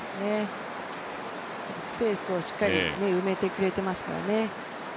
スペースをしっかり埋めてくれてますからね。